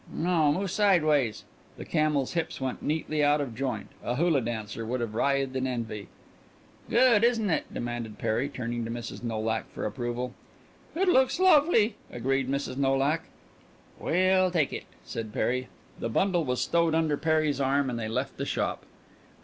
"No; move sideways." The camel's hips went neatly out of joint; a hula dancer would have writhed in envy. "Good, isn't it?" demanded Perry, turning to Mrs. Nolak for approval. "It looks lovely," agreed Mrs. Nolak. "We'll take it," said Perry. The bundle was stowed under Perry's arm and they left the shop.